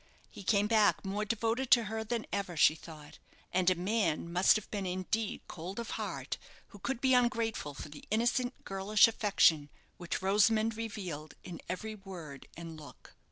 He came back more devoted to her than ever, she thought; and a man must have been indeed cold of heart who could be ungrateful for the innocent, girlish affection which Rosamond revealed in every word and look.